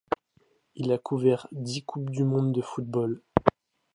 Il a couvert dix Coupes du monde de football.